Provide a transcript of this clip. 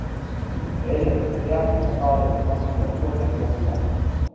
Él, en especial, se encargaba de los marcos de las puertas y las ventanas.